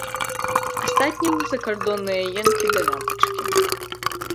Астатнім закардонныя енкі да лямпачкі.